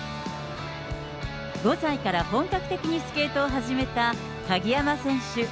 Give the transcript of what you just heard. ５歳から本格的にスケートを始めた鍵山選手。